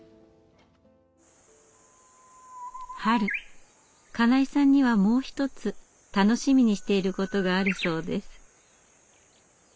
春金井さんにはもう一つ楽しみにしていることがあるそうです。